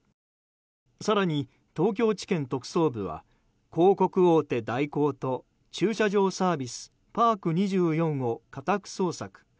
更に東京地検特捜部は広告大手・大広と駐車場サービスパーク２４を家宅捜索。